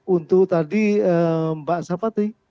untuk tadi mbak siapa sih